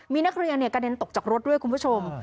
มีนักเรียนกระเด็นตกจากรถด้วยคุณผู้ชม